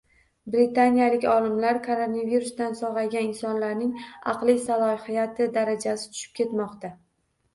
Britaniyalik olimlar: “Koronavirusdan sog‘aygan insonlarning aqliy salohiyat darajasi tushib ketmoqda”